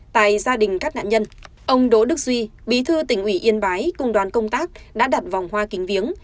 tại gia đình các nạn nhân ông đỗ đức duy bí thư tỉnh ủy yên bái cùng đoàn công tác đã đặt vòng hoa kính viếng